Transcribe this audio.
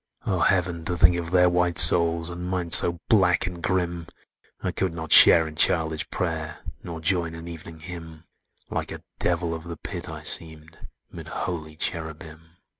"Oh, Heaven! to think of their white souls, And mine so black and grim! I could not share in childish prayer, Nor join in Evening Hymn: Like a Devil of the Pit I seemed, 'Mid holy Cherubim!